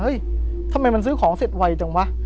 ทำไมมันซื้อของเสร็จไวจังวะ